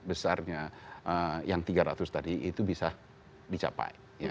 besarnya yang tiga ratus tadi itu bisa dicapai